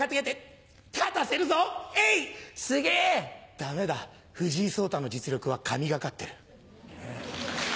ダメだ藤井聡太の実力は神懸かってる。